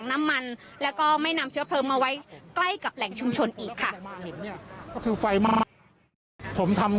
น้ำมันที่ถูกไฟไหม้ในครั้งนี้เป็นของที่เหลือจากเหตุไฟไหม้เมื่อเดือนเมษายนที่ผ่านมาค่ะ